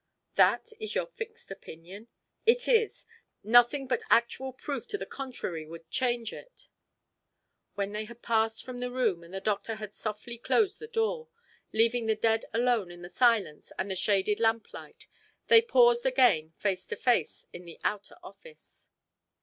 "That is your fixed opinion?" "It is. Nothing but actual proof to the contrary would change it." When they had passed from the room and the doctor had softly closed the door, leaving the dead alone in the silence and the shaded lamp light, they paused again, face to face, in the outer office.